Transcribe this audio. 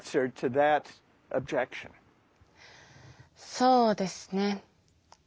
そうですね。